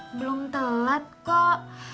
belum telat kok